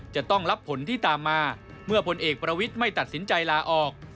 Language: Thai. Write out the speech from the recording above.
จะต้องรับผลที่ตามมาเมื่อพลเอกประวิทย์ไม่ตัดสินใจลาออก